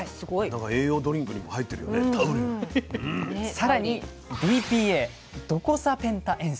更にＤＰＡドコサペンタエン酸。